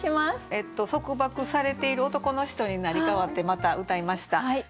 えっと束縛されている男の人に成り代わってまたうたいました。